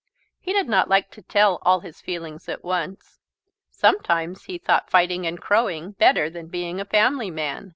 He did not like to tell all his feelings at once. Sometimes he thought fighting and crowing better than being a family man.